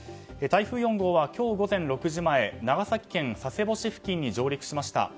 台風４号は今日午前６時前長崎県佐世保市付近に上陸しました。